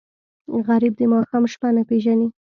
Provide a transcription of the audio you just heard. غریب د ماښام شپه نه پېژني